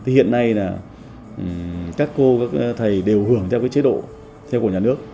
hiện nay các cô các thầy đều hưởng theo chế độ của nhà nước